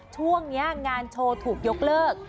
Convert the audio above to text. ช่วงนี้งานโชว์ถูกยกเลิก